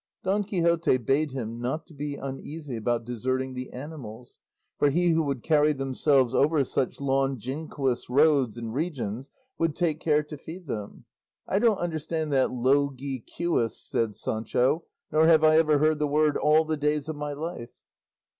Don Quixote bade him not be uneasy about deserting the animals, "for he who would carry themselves over such longinquous roads and regions would take care to feed them." "I don't understand that logiquous," said Sancho, "nor have I ever heard the word all the days of my life."